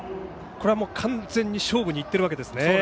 これは完全に勝負にいっているわけですね。